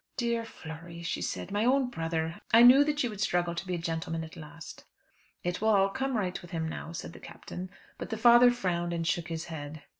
"Dear Flory," said she. "My own brother! I knew that you would struggle to be a gentleman at last." "It will all come right with him now," said the Captain. But the father frowned and shook his head.